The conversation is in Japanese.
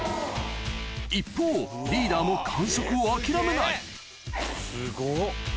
一方リーダーも完食を諦めないすごっ。